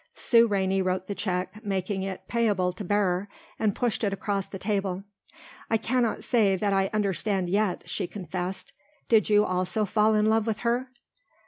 Sue Rainey wrote the check, making it payable to bearer, and pushed it across the table. "I cannot say that I understand yet," she confessed. "Did you also fall in love with her?"